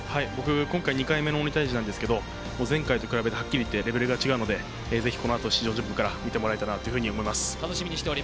今回２回目の「鬼タイジ」なんですけれども、前回と比べて、はっきり言ってレベルが違うのでぜひこのあと７時４０分から見てもらえたらと思います。